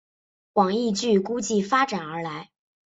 广义矩估计发展而来。